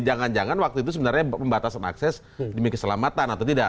jangan jangan waktu itu sebenarnya pembatasan akses demi keselamatan atau tidak